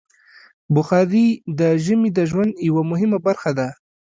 بخاري د ژمي د ژوند یوه مهمه برخه ده.